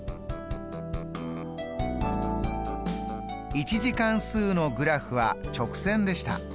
１次関数のグラフは直線でした。